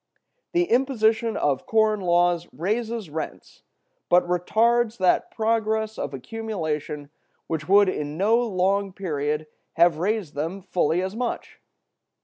The imposition of corn laws raises rents, but retards that progress of accumulation which would in no long period have raised them fully as much.